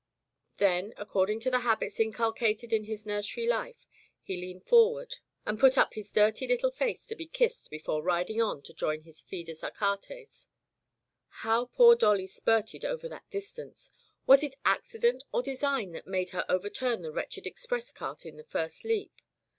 Then according to the habits inculcated in his nursery life he leaned forward and put up his dirty little face to be kissed before riding on to join his fidus Achates. How poor Dolly spurted over that dis tance! Was it accident or design that made her overturn the wretched express cart in the first leap